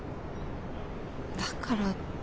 だからって。